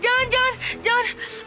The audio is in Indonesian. jangan jangan jangan